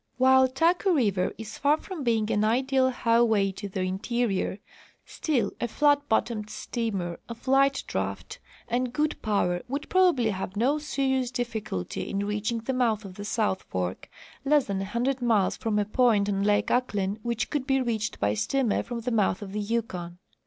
While Taku river is far from being an ideal highway to the interior, still a flat bottomed steamer of light draft and good power would probal^ly have no serious difficulty in reaching the mouth of the South fork, less than a hundred miles from a point on lake Ahklen which could be reached by steamer from ■ the mouth of the Yukon.